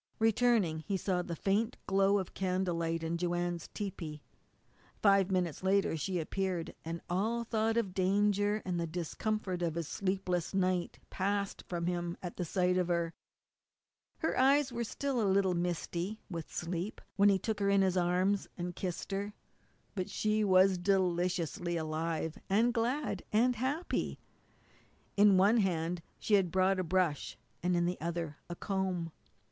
Returning he saw the faint glow of candlelight in Joanne's tepee. Five minutes later she appeared, and all thought of danger, and the discomfort of his sleepless night, passed from him at sight of her. Her eyes were still a little misty with sleep when he took her in his arms and kissed her, but she was deliciously alive, and glad, and happy. In one hand she had brought a brush and in the other a comb.